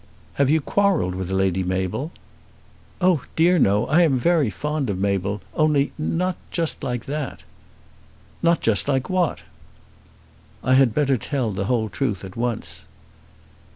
"Have you quarrelled with Lady Mabel?" "Oh dear no. I am very fond of Mabel; only not just like that." "Not just like what?" "I had better tell the whole truth at once."